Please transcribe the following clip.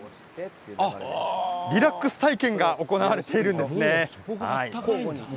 リラックス体験が行われているんですね。